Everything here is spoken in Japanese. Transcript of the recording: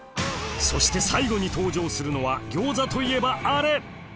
そして最後に登場するのは餃子といえばあれ！